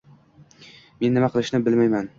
- Men nima qilishni bilmayman